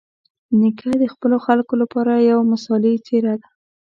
نیکه د خپلو خلکو لپاره یوه مثالي څېره ده.